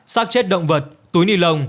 sát chết động vật túi nì lồng